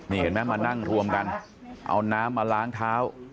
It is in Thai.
นี่เห็นไหมมานั่งรวมกันเอาน้ำมาล้างเท้า